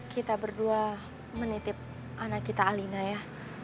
kita berdua menitip anak kita alina ya